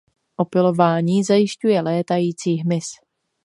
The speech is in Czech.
Opylování zajišťuje létající hmyz.